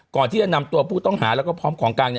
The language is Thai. ก่อนที่จะนำตัวผู้ต้องหาแล้วก็พร้อมของกลาง